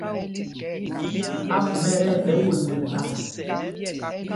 Apumá ɛ tí ɛɓɛ won nɛ gbal.